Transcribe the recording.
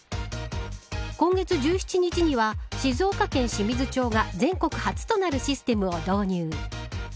今月１７日には静岡県清水町が全国初となるシステムを導入。